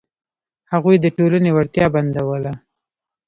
هغوی د ټولنې وړتیا بندوله.